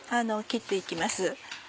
切って行きます。